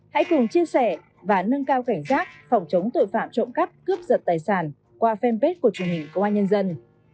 hãy cùng chia sẻ và nâng cao cảnh giác phòng chống tội phạm trộm cắp cướp giật tài sản qua fanpage của truyền hình công an nhân dân